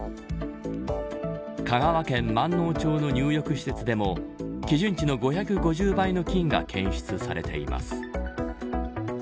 香川県まんのう町の入浴施設でも基準値の５５０倍の菌が検出されています。